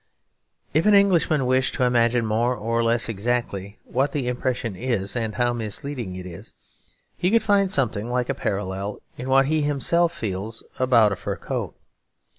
If an Englishman wished to imagine more or less exactly what the impression is, and how misleading it is, he could find something like a parallel in what he himself feels about a fur coat.